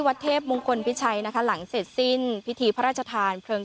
เทพมงคลพิชัยนะคะหลังเสร็จสิ้นพิธีพระราชทานเพลิง